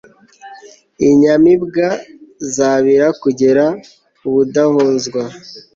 inyamibwa zabira kugera ubudahozwa